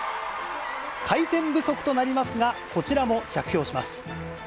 回転不足となりますが、こちらも着氷します。